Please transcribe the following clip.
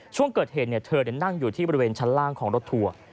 ช่วงเกิดเหตุเธอนั่งอยู่ที่บริเวณชั้นล่างของรถทัวร์